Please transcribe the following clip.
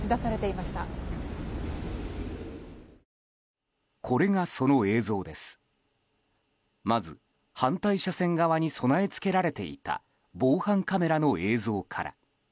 まず反対車線側に備え付けられていた防犯カメラの映像から。